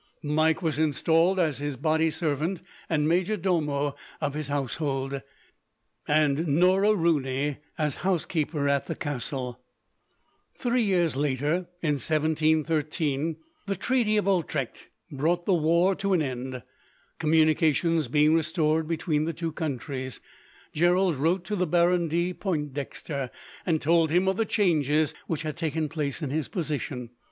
Mike was installed as his body servant, and majordomo of his household; and Norah Rooney as housekeeper at the castle. Three years later, in 1713, the treaty of Utrecht brought the war to an end. Communications being restored between the two countries, Gerald wrote to the Baron de Pointdexter, and told him of the changes which had taken place in his position.